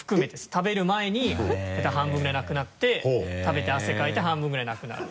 食べる前に半分ぐらいなくなって食べて汗かいて半分ぐらいなくなる。